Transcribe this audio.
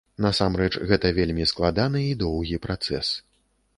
Насамрэч, гэта вельмі складаны і доўгі працэс.